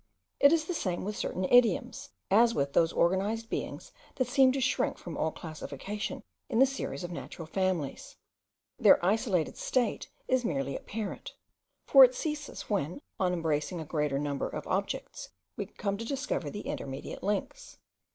It is the same with certain idioms, as with those organized beings that seem to shrink from all classification in the series of natural families. Their isolated state is merely apparent; for it ceases when, on embracing a greater number of objects, we come to discover the intermediate links.